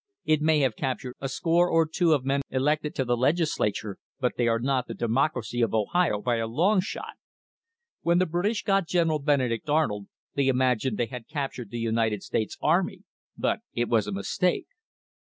It may have captured a score or two of men elected to the Legislature, but they are not the Democracy of Ohio by a long shot. When the British got General Benedict Arnold they imagined they had captured the United States army, but it was a mistake."